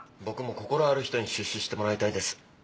僕も心ある人に出資してもらいたいです。